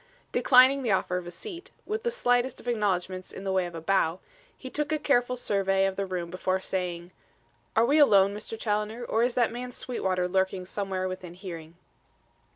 Declining the offer of a seat, with the slightest of acknowledgments in the way of a bow, he took a careful survey of the room before saying: "Are we alone, Mr. Challoner, or is that man Sweetwater lurking somewhere within hearing?"